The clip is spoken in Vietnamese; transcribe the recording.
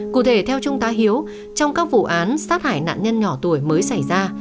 cụ thể theo trung tá hiếu trong các vụ án sát hại nạn nhân nhỏ tuổi mới xảy ra